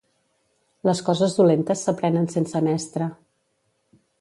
Les coses dolentes s'aprenen sense mestre.